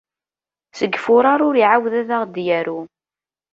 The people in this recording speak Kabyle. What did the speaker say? Seg Fuṛaṛ ur iɛawed ad aɣ-d-yaru.